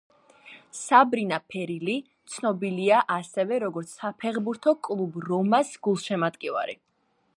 საბრინა ფერილი ცნობილია ასევე როგორც საფეხბურთო კლუბ რომას გულშემატკივარი.